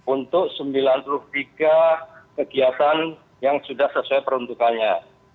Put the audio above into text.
untuk sembilan puluh tiga kegiatan yang sudah sesuai peruntukannya